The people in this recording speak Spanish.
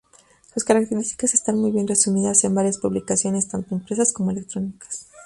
Sus características están muy bien resumidas en varias publicaciones tanto impresas como electrónicas.